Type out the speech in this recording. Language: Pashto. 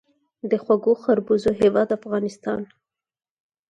د خوږو خربوزو هیواد افغانستان.